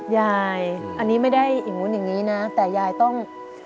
ยายอันนี้ไม่ได้อย่างนู้นอย่างนี้นะแต่ยายต้อง